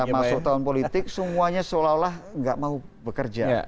kita sudah masuk tahun politik semuanya seolah olah gak mau bekerja